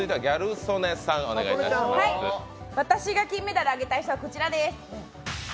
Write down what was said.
私が金メダルをあげたい人はこちらです！